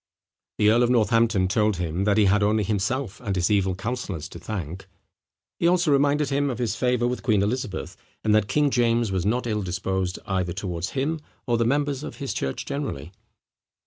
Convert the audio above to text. The earl of Northampton told him, that he had only himself and his evil councillors to thank. He also reminded him of his favour with Queen Elizabeth; and that King James was not ill disposed either towards him or the members of his church generally.